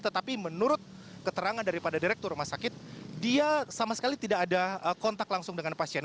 tetapi menurut keterangan daripada direktur rumah sakit dia sama sekali tidak ada kontak langsung dengan pasien